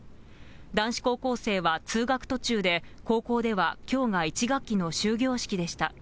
男子高校生は通学途中で、高校ではきょうが１学期の終業式でした。